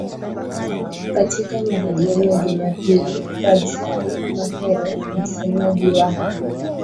Katika mahojiano ya Jumapili Fadzayi Mahere msemaji wa